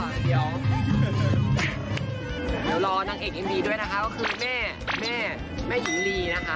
เดี๋ยวรอนางเอกเอ็มวีด้วยนะคะก็คือแม่แม่หญิงลีนะคะ